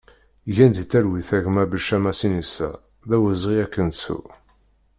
Gen di talwit a gma Becca Masinisa, d awezɣi ad k-nettu!